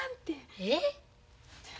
えっ？